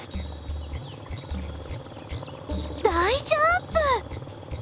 大ジャンプ！